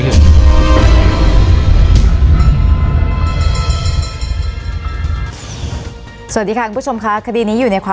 วันนี้แม่ช่วยเงินมากกว่า